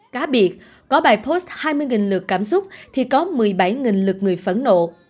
cá biệt có bài post hai mươi lượt cảm xúc thì có một mươi bảy lượt người phẫn nộ